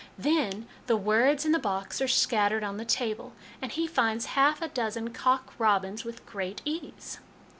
" Then the words in the box are scattered on the table, and he finds half a dozen 'cock robins' with great ease.